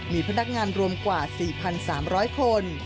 มีพนักงานรวมกว่า๔๓๐๐คน